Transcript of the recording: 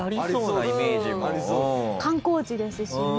観光地ですしね。